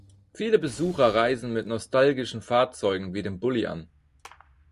Viele Besucher reisen mit nostalgischen Fahrzeugen wie dem Bulli an.